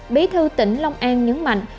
bí thư tỉnh long an nhấn mạnh